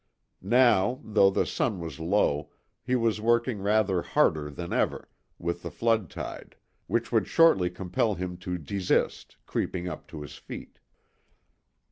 Now, though the sun was low, he was working rather harder than ever, with the flood tide, which would shortly compel him to desist, creeping up to his feet.